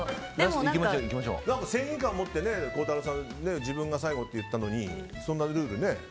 正義感を持って孝太郎さん自分が最後って言ったのにそんなルールね。